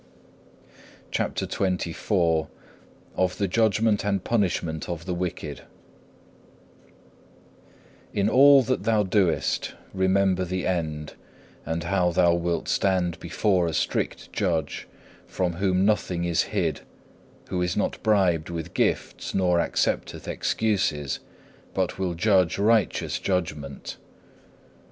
(1) Matthew xxiv. 44. (2) Luke xvi. 9. (3) Hebrews xiii. 14. CHAPTER XXIV Of the judgment and punishment of the wicked In all that thou doest, remember the end, and how thou wilt stand before a strict judge, from whom nothing is hid, who is not bribed with gifts, nor accepteth excuses, but will judge righteous judgment.